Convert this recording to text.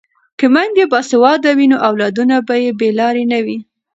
که میندې باسواده وي نو اولادونه به یې بې لارې نه وي.